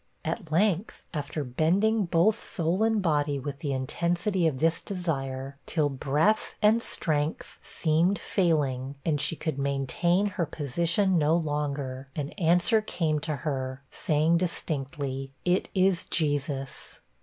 At length, after bending both soul and body with the intensity of this desire, till breath and strength seemed failing, and she could maintain her position no longer, an answer came to her, saying distinctly, 'It is Jesus.'